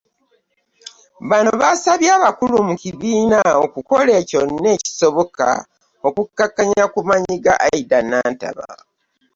Bano basabye abakulu mu kibiina okukola kyonna ekisoboka okukkakkanya ku maanyi ga Aidah Nantaba.